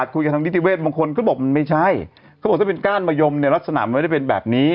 ทางนิติเวทบางคนก็บอกมันไม่ใช่เขาบอกถ้าเป็นก้านมะยมเนี่ยลักษณะมันไม่ได้เป็นแบบนี้